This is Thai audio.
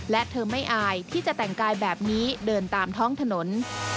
และเธอไม่อายที่จะแต่งกายแบบนี้เดินตามท้องถนน